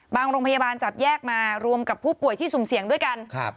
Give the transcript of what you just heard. โรงพยาบาลจับแยกมารวมกับผู้ป่วยที่สุ่มเสี่ยงด้วยกัน